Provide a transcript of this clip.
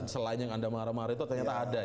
selain yang anda marah marah itu ternyata ada ya